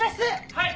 はい！